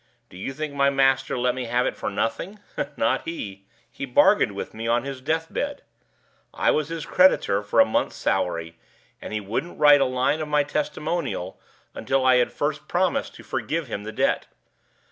Do you think my master let me have it for nothing? Not he! He bargained with me on his deathbed. I was his creditor for a month's salary, and he wouldn't write a line of my testimonial until I had first promised to forgive him the debt.